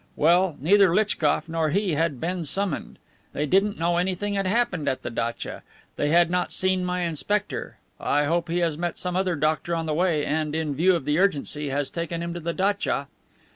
Well, neither Litchkof nor he had been summoned. They didn't know anything had happened at the datcha. They had not seen my inspector. I hope he has met some other doctor on the way and, in view of the urgency, has taken him to the datcha."